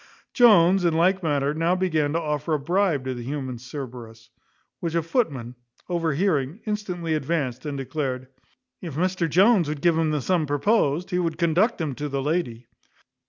Jones, in like manner, now began to offer a bribe to the human Cerberus, which a footman, overhearing, instantly advanced, and declared, "if Mr Jones would give him the sum proposed, he would conduct him to the lady."